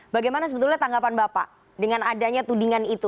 bagaimana sebetulnya tanggapan bapak dengan adanya tudingan itu